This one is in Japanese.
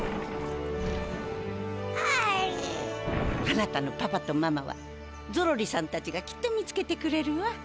あなたのパパとママはゾロリさんたちがきっと見つけてくれるわ。